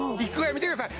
見てください